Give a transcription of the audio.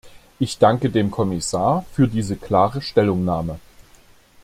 Ich danke dem Kommissar für diese klare Stellungnahme.